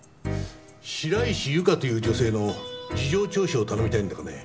白石ゆかという女性への事情聴取を頼みたいんだがね。